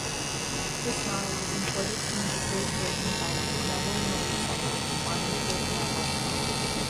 This model was imported into Great Britain by Neval Motorcycles, marketed as Neval.